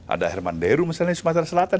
ada herman deru misalnya di sumatera selatan